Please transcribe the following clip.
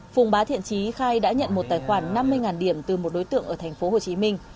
phùng bá thiện trí khai đã nhận một tài khoản năm mươi điểm từ một đối tượng ở thành phố hồ chí minh